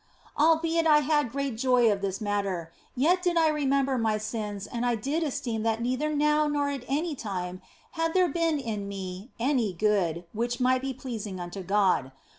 Albeit I had great joy of this matter, yet did I re member my sins and I did esteem that neither now or at any time had there been in me any good which might be pleasing unto God.